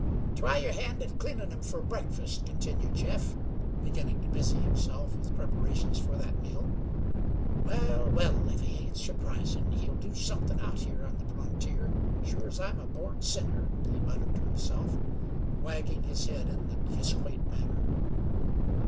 "Try yer hand at cleanin' 'em fer breakfast," continued Jeff, beginning to busy himself with preparations for that meal. "Wal, wal, if he ain't surprisin'! He'll do somethin' out here on the frontier, sure as I'm a born sinner," he muttered to himself, wagging his head in his quaint manner.